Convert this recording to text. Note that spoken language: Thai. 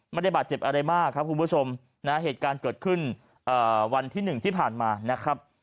ไม่ได้บาดเจ็บอะไรมากครับคุณผู้ชมนะเหตุการณ์เกิดขึ้นวันที่๑ที่ผ่านมานะครับ